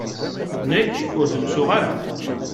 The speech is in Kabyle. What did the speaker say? Nekk, ur ten-ttuɣ ara.